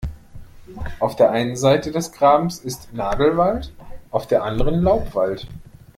Auf der einen Seite des Grabens ist Nadelwald, auf der anderen Laubwald.